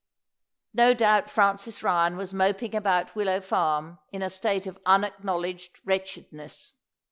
No doubt Francis Ryan was moping about Willow Farm in a state of unacknowledged wretchedness.